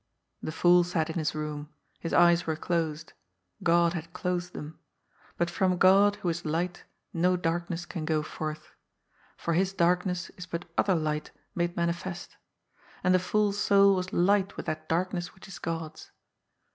The fool sat in his room. His eyes were closed. God had closed them. But from God, who is Light, no darkness can go forth. For his darkness is but other light made manifest. And the fool's soul was light with that darkness which is God's.